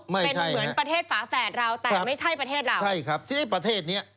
เป็นเหมือนประเทศฝาแฝดเราแต่ไม่ใช่ประเทศเราใช่ครับทีนี้ประเทศเนี้ย